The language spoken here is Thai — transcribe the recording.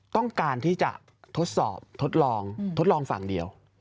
ต้องการที่จะทดสอบทดลองทดลองฝั่งเดียว